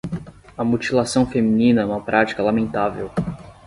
A mutilação feminina é uma prática lamentável